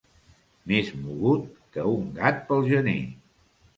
Més mogut que un gat pel gener.